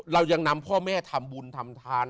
เรายังนำพ่อแม่ทำบุญทำทาน